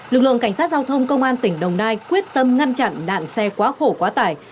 lực lượng cảnh sát giao thông công an tỉnh đồng nai quyết tâm ngăn chặn nạn xe quá khổ quá tải